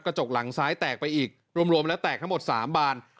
จกหลังซ้ายแตกไปอีกรวมแล้วแตกทั้งหมด๓บาน